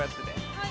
はい。